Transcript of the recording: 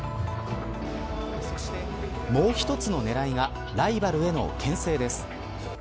そして、もう一つの狙いがライバルへのけん制です。